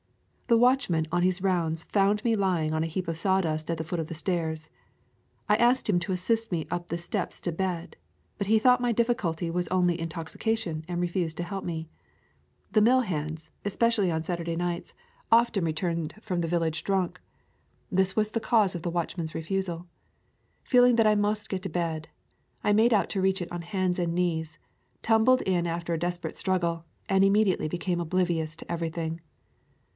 The watchman on his rounds found me lying on a heap of sawdust at the foot of the stairs. I asked him to assist me up the steps to bed, but he thought my difficulty was only intoxica tion and refused to help me. The mill hands, especially on Saturday nights, often returned [ 128 ] Cedar Keys from the village drunk. This was the cause of the watchman's refusal. Feeling that I must get to bed, I made out to reach it on hands and knees, tumbled in after a desperate struggle, and immediately became oblivious to everything.